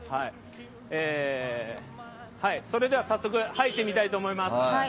それでは早速入ってみたいと思います。